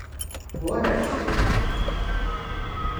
Uɣal ar deffir!